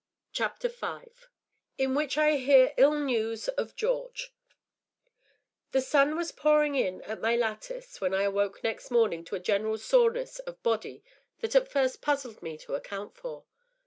CHAPTER V IN WHICH I HEAR ILL NEWS OF GEORGE The sun was pouring in at my lattice when I awoke next morning to a general soreness of body that at first puzzled me to account for.